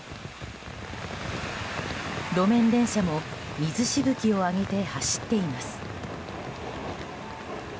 路面電車も水しぶきを上げて走っています。